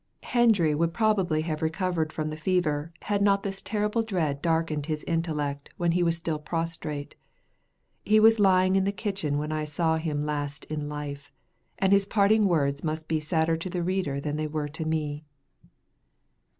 Hendry would probably have recovered from the fever had not this terrible dread darkened his intellect when he was still prostrate. He was lying in the kitchen when I saw him last in life, and his parting words must be sadder to the reader than they were to me.